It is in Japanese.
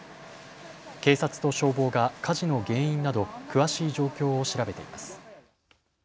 警察と消防が火事の原因など詳しい状況を調べています。